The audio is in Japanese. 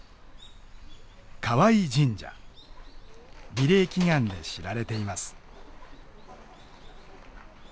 「美麗祈願」で知られています。